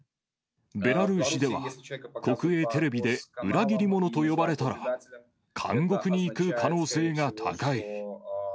ベラルーシでは、国営テレビで裏切り者と呼ばれたら、監獄に行く可能性が高い。